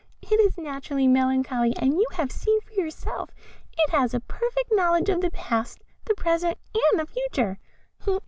It is naturally melancholy, and you have seen for yourself it has a perfect knowledge of the past, the present, and the future.